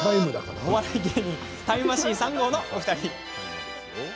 お笑い芸人タイムマシーン３号のお二人。